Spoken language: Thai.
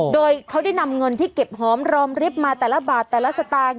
โดยเขาได้นำเงินที่เก็บหอมรอมริบมาแต่ละบาทแต่ละสตางค์